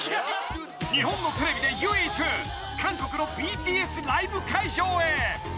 日本のテレビで唯一韓国のＢＴＳライブ会場へ。